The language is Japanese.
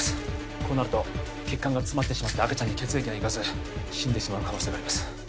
こうなると血管が詰まってしまい赤ちゃんに血液がいかず死んでしまう可能性があります